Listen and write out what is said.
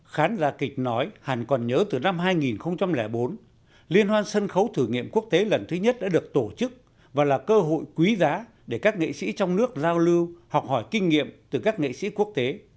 khán giả kịch nói hàn còn nhớ từ năm hai nghìn bốn liên hoan sân khấu thử nghiệm quốc tế lần thứ nhất đã được tổ chức và là cơ hội quý giá để các nghệ sĩ trong nước giao lưu học hỏi kinh nghiệm từ các nghệ sĩ quốc tế